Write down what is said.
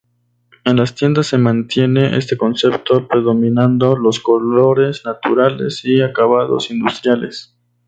En las tiendas se mantiene este concepto, predominando los colores naturales y acabados industriales.